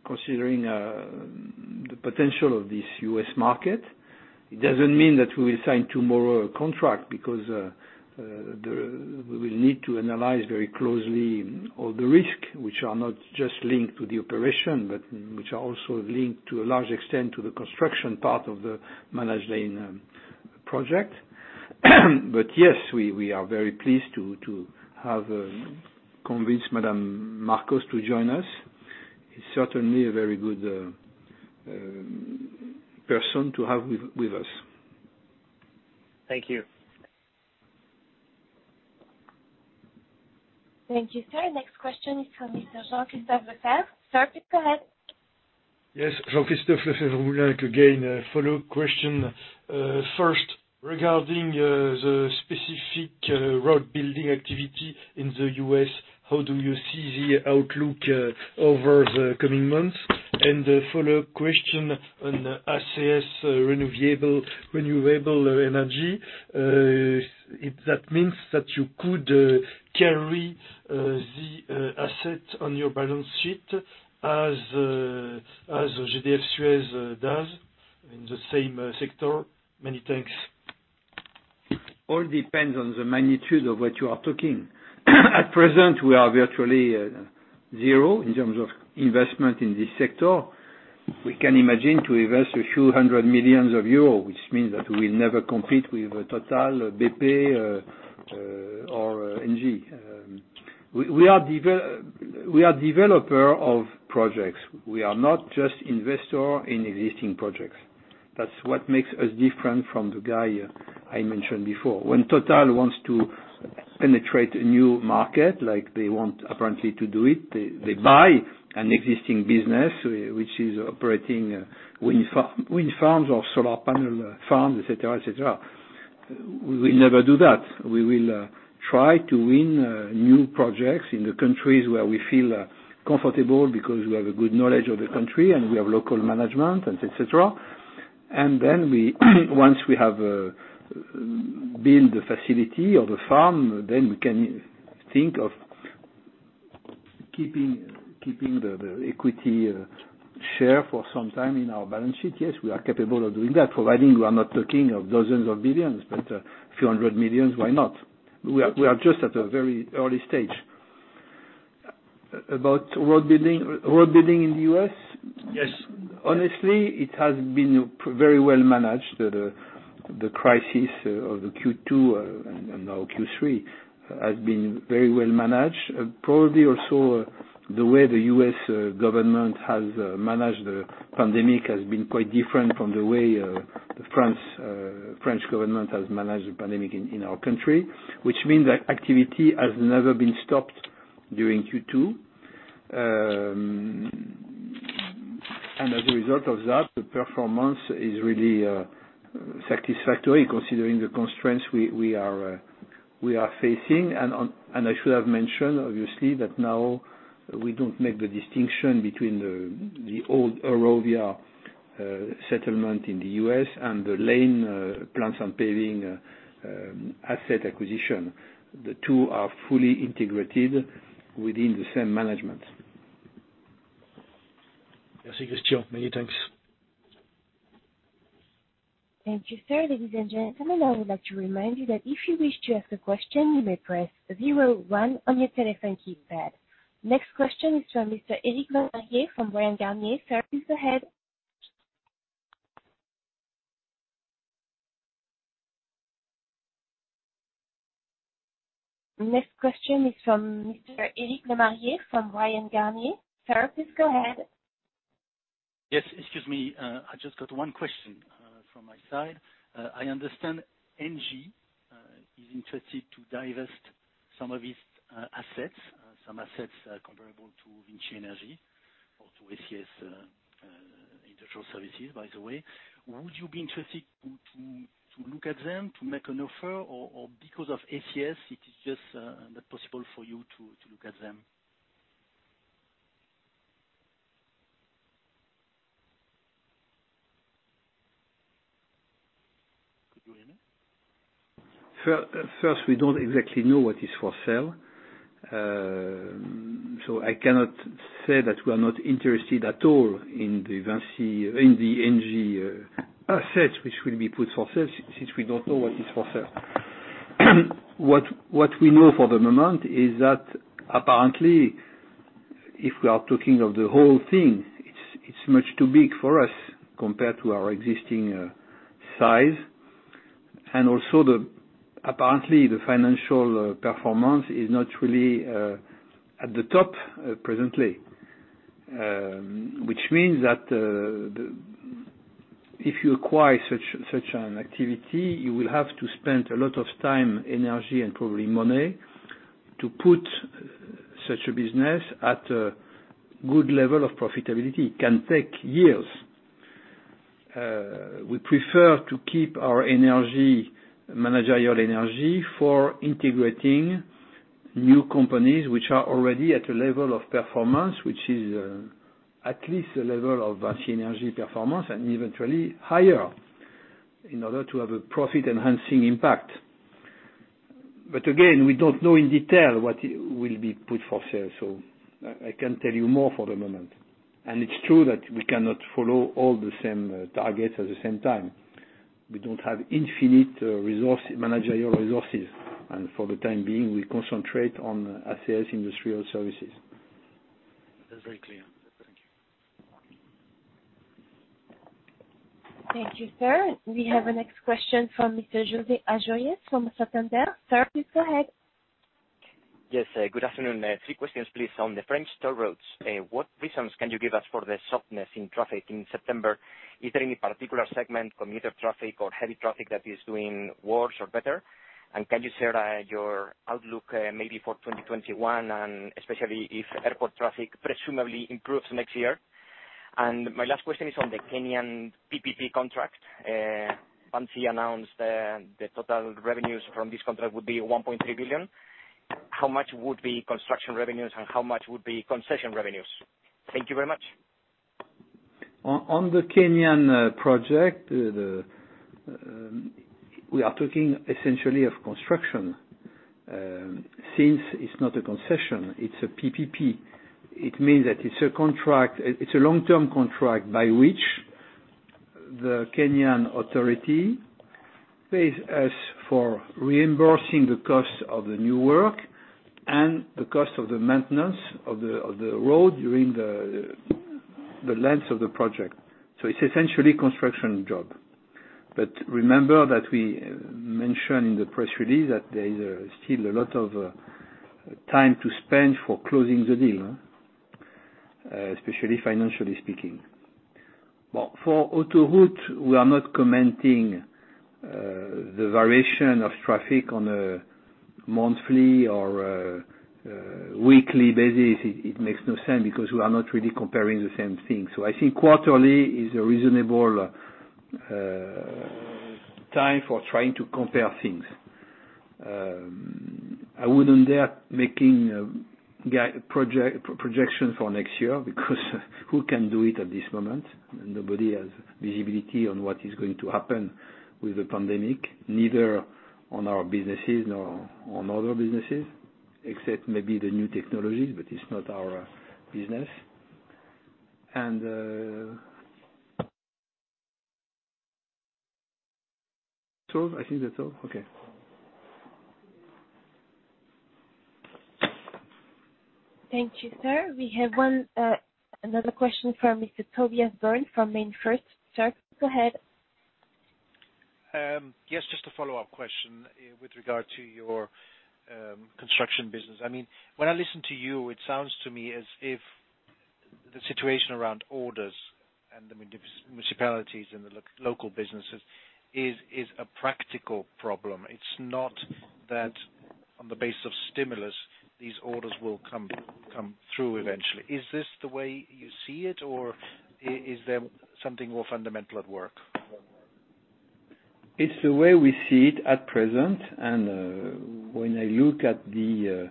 Speaker 2: considering the potential of this US market. It doesn't mean that we will sign tomorrow a contract because we will need to analyze very closely all the risks, which are not just linked to the operation, but which are also linked to a large extent to the construction part of the managed lane project. Yes, we are very pleased to have convinced Madam Marcos to join us. She's certainly a very good person to have with us.
Speaker 8: Thank you.
Speaker 1: Thank you, sir. Next question is from Mr. Jean-Christophe Lafaye. Sir, please go ahead.
Speaker 3: Yes, Jean-Christophe Lefevre-Moulenq from CIC. Again, a follow-up question. First, regarding the specific road-building activity in the U.S., how do you see the outlook over the coming months? A follow-up question on Cobra IS. That means that you could carry the asset on your balance sheet as GDF SUEZ does in the same sector. Many thanks.
Speaker 2: All depends on the magnitude of what you are talking. At present, we are virtually zero in terms of investment in this sector. We can imagine to invest a few hundred million Euros, which means that we'll never compete with Total, BP, or Engie. We are developer of projects. We are not just investor in existing projects. That's what makes us different from the guy I mentioned before. When Total wants to penetrate a new market, like they want apparently to do it, they buy an existing business which is operating wind farms or solar panel farms, et cetera. We will never do that. We will try to win new projects in the countries where we feel comfortable because we have a good knowledge of the country and we have local management, and et cetera. Once we have built the facility or the farm, then we can think of keeping the equity share for some time in our balance sheet. Yes, we are capable of doing that, providing we are not talking of dozens of billions, but a few hundred millions, why not? We are just at a very early stage. About road building in the U.S.?
Speaker 3: Yes.
Speaker 2: Honestly, it has been very well managed. The crisis of the Q2 and now Q3 has been very well managed. Probably also the way the US government has managed the pandemic has been quite different from the way the French government has managed the pandemic in our country. Which means that activity has never been stopped during Q2.
Speaker 3: Okay.
Speaker 2: As a result of that, the performance is really satisfactory considering the constraints we are facing. I should have mentioned, obviously, that now we don't make the distinction between the old Eurovia settlement in the U.S. and the Lane Plants and Paving asset acquisition. The two are fully integrated within the same management.
Speaker 3: Many thanks.
Speaker 1: Thank you, sir. Ladies and gentlemen, I would like to remind you that if you wish to ask a question, you may press zero one on your telephone keypad. Next question is from Mr. Eric Lemarié from Bryan Garnier. Sir, please go ahead.
Speaker 10: Yes. Excuse me. I just got one question from my side. I understand Engie is interested to divest some of its assets, some assets comparable to VINCI Energies or to ACS Industrial Services, by the way. Would you be interested to look at them, to make an offer? Because of ACS, it is just not possible for you to look at them?
Speaker 2: Could you hear me? First, we don't exactly know what is for sale. I cannot say that we're not interested at all in the Engie assets which will be put for sale, since we don't know what is for sale. What we know for the moment is that apparently, if we are talking of the whole thing, it's much too big for us compared to our existing size. Also, apparently the financial performance is not really at the top presently, which means that if you acquire such an activity, you will have to spend a lot of time, energy, and probably money to put such a business at a good level of profitability. It can take years. We prefer to keep our managerial energy for integrating new companies which are already at a level of performance, which is at least a level of VINCI Energies performance, and eventually higher in order to have a profit-enhancing impact. Again, we don't know in detail what will be put for sale, so I can't tell you more for the moment. It's true that we cannot follow all the same targets at the same time. We don't have infinite managerial resources, and for the time being, we concentrate on ACS Industrial Services.
Speaker 10: That's very clear. Thank you.
Speaker 1: Thank you, sir. We have a next question from Mr. Jose Arroyas from Santander. Sir, please go ahead.
Speaker 11: Yes, good afternoon. Three questions, please. On the French toll roads, what reasons can you give us for the softness in traffic in September? Is there any particular segment, commuter traffic or heavy traffic that is doing worse or better? Can you share your outlook maybe for 2021, and especially if airport traffic presumably improves next year? My last question is on the Kenyan PPP contract. VINCI announced the total revenues from this contract would be 1.3 billion. How much would be construction revenues and how much would be concession revenues? Thank you very much.
Speaker 2: On the Kenyan project, we are talking essentially of construction. Since it's not a concession, it's a PPP. It means that it's a long-term contract by which the Kenyan Authority pays us for reimbursing the cost of the new work and the cost of the maintenance of the road during the length of the project. It's essentially a construction job. Remember that we mentioned in the press release that there is still a lot of time to spend for closing the deal, especially financially speaking. For Autoroute, we are not commenting the variation of traffic on a monthly or weekly basis. It makes no sense because we are not really comparing the same thing. I think quarterly is a reasonable time for trying to compare things. I wouldn't dare making projections for next year because who can do it at this moment? Nobody has visibility on what is going to happen with the pandemic, neither on our businesses nor on other businesses, except maybe the new technologies, but it's not our business. I think that's all. Okay.
Speaker 1: Thank you, sir. We have another question from Mr. Tobias Berndt from MainFirst. Sir, go ahead.
Speaker 7: Yes, just a follow-up question with regard to your construction business. When I listen to you, it sounds to me as if the situation around orders and the municipalities and the local businesses is a practical problem. On the base of stimulus, these orders will come through eventually. Is this the way you see it, or is there something more fundamental at work?
Speaker 2: It's the way we see it at present, and when I look at the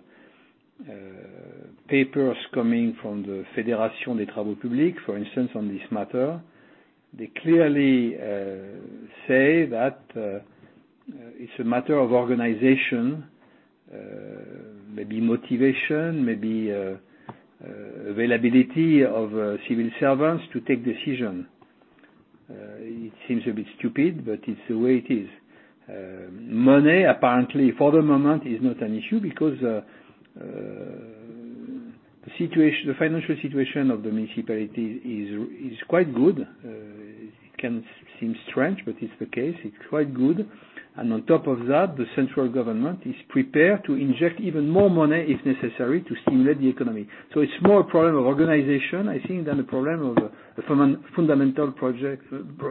Speaker 2: papers coming from the Fédération des Travaux Publics, for instance, on this matter, they clearly say that it's a matter of organization, maybe motivation, maybe availability of civil servants to take decision. It seems a bit stupid, but it's the way it is. Money, apparently, for the moment, is not an issue because the financial situation of the municipality is quite good. It can seem strange, but it's the case. It's quite good. On top of that, the central government is prepared to inject even more money if necessary to stimulate the economy. It's more a problem of organization, I think, than a problem of a fundamental project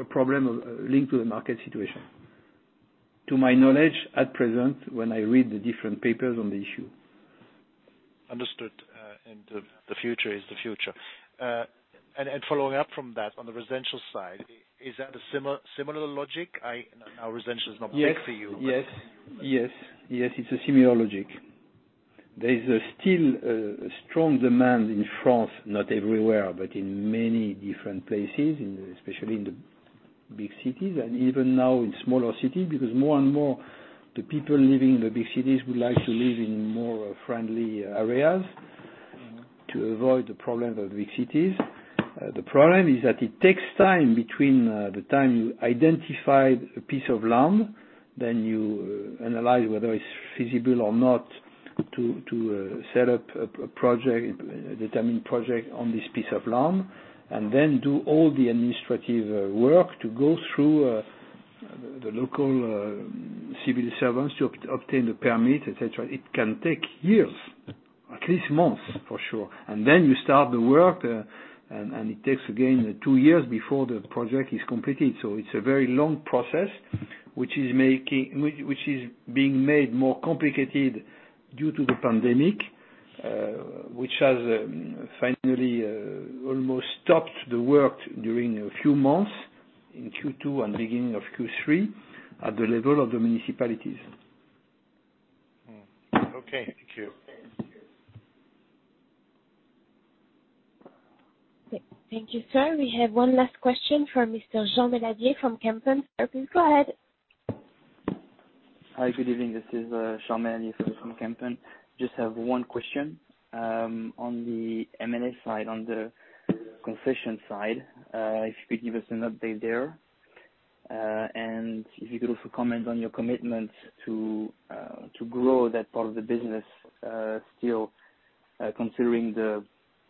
Speaker 2: problem linked to the market situation. To my knowledge, at present, when I read the different papers on the issue.
Speaker 7: Understood. The future is the future. Following up from that, on the residential side, is that a similar logic? I know now residential is not big for you.
Speaker 2: Yes. It's a similar logic. There is still a strong demand in France, not everywhere, but in many different places, especially in the big cities and even now in smaller cities, because more and more, the people living in the big cities would like to live in more friendly areas to avoid the problems of big cities. The problem is that it takes time between the time you identify a piece of land, then you analyze whether it's feasible or not to set up a project, determine project on this piece of land, and then do all the administrative work to go through the local civil servants to obtain the permit, et cetera. It can take years. At least months, for sure. Then you start the work, and it takes again two years before the project is completed. It's a very long process, which is being made more complicated due to the pandemic, which has finally almost stopped the work during a few months in Q2 and beginning of Q3 at the level of the municipalities.
Speaker 7: Okay. Thank you.
Speaker 1: Thank you, sir. We have one last question from Mr. Jean Benadier from Kempen. Sir, please go ahead.
Speaker 12: Hi, good evening. This is Jean Benadier from Kempen. Just have one question. On the M&A side, on the concession side, if you could give us an update there. If you could also comment on your commitment to grow that part of the business still, considering the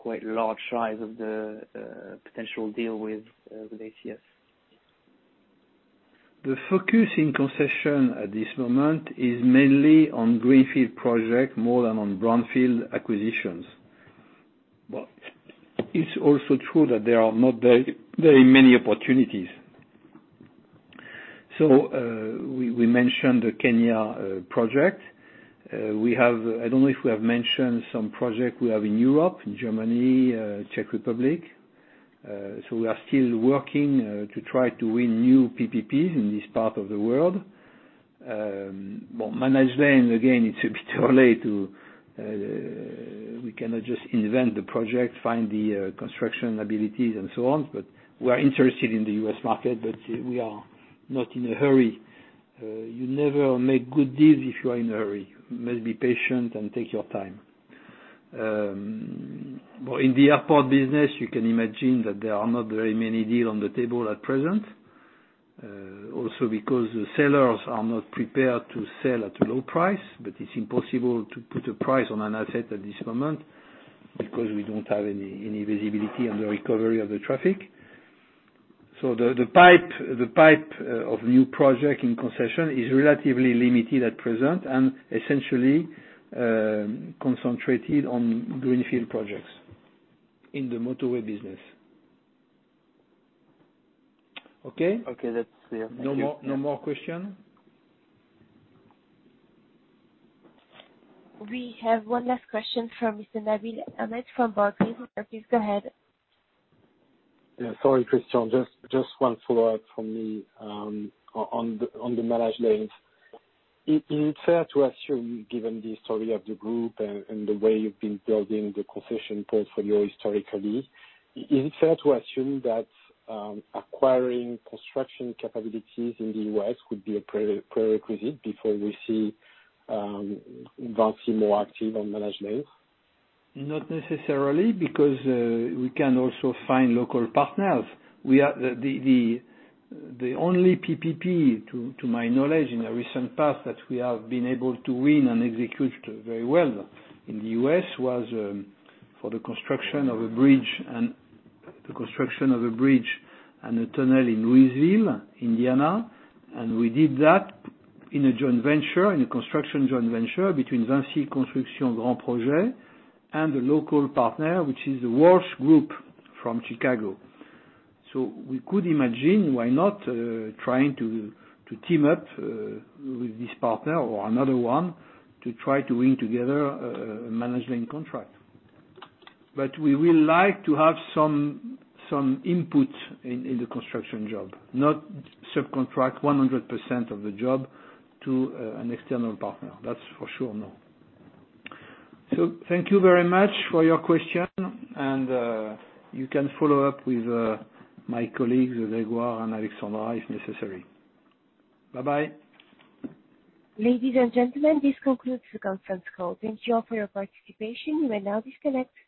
Speaker 12: quite large size of the potential deal with ACS?
Speaker 2: The focus in concession at this moment is mainly on greenfield project more than on brownfield acquisitions. It's also true that there are not very many opportunities. We mentioned the Kenya project. I don't know if we have mentioned some project we have in Europe, in Germany, Czech Republic. We are still working to try to win new PPPs in this part of the world. Well, managed lanes, again, it's a bit early to. We cannot just invent the project, find the construction abilities and so on, but we are interested in the U.S. market, but we are not in a hurry. You never make good deals if you are in a hurry. You must be patient and take your time. Well, in the airport business, you can imagine that there are not very many deals on the table at present. Because the sellers are not prepared to sell at a low price, but it's impossible to put a price on an asset at this moment because we don't have any visibility on the recovery of the traffic. The pipe of new project in concession is relatively limited at present and essentially, concentrated on greenfield projects in the motorway business. Okay?
Speaker 12: Okay. That's clear. Thank you.
Speaker 2: No more question?
Speaker 1: We have one last question from Mr. Nabil Ahmed from Barclays. Sir, please go ahead.
Speaker 6: Yeah. Sorry, Christian. Just one follow-up from me on the managed lanes. Given the story of the group and the way you've been building the concession portfolio historically, is it fair to assume that acquiring construction capabilities in the U.S. would be a prerequisite before we see VINCI more active on managed lanes?
Speaker 2: Not necessarily, because we can also find local partners. The only PPP, to my knowledge, in the recent past that we have been able to win and execute very well in the U.S. was for the construction of a bridge and a tunnel in Westville, Indiana, and we did that in a construction joint venture between VINCI Construction Grands Projets and the local partner, which is The Walsh Group from Chicago. We could imagine why not trying to team up with this partner or another one to try to win together a management contract. We will like to have some input in the construction job, not subcontract 100% of the job to an external partner. That's for sure no. Thank you very much for your question, and you can follow up with my colleagues, Grégoire and Alexandre, if necessary. Bye-bye.
Speaker 1: Ladies and gentlemen, this concludes the conference call. Thank you all for your participation. You may now disconnect.